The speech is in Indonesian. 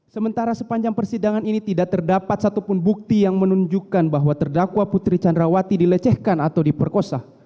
sementara sepanjang persidangan ini tidak terdapat satupun bukti yang menunjukkan bahwa terdakwa putri candrawati dilecehkan atau diperkosa